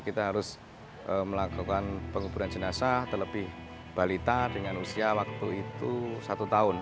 kita harus melakukan penguburan jenazah terlebih balita dengan usia waktu itu satu tahun